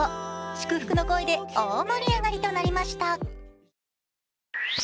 祝福の声で大盛り上がりとなりました。